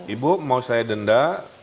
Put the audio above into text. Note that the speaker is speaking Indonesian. ibu mau saya denda